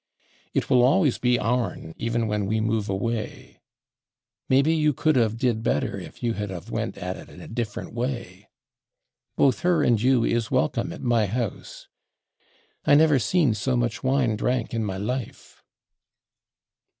It will always be /ourn/, even when we move away.... Maybe you could /of did/ better if you had /of went/ at it in a different way.... Both /her/ and you /is/ welcome at my house.... I never /seen/ so much wine /drank/ in my life....